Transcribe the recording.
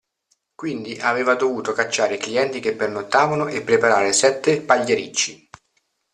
Quindi aveva dovuto cacciare i clienti che pernottavano e preparare sette pagliericci.